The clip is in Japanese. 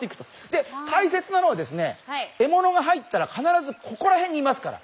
で大切なのはですねえものが入ったら必ずここら辺にいますから。